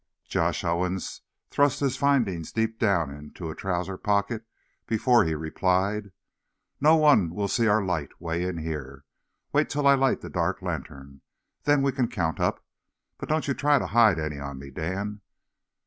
Josh Owen thrust his findings deep down in a trousers pocket before he replied: "No one will see our light 'way in here. Wait till I light the dark lantern. Then we can count up. But don't you try to hide any on me, Dan!"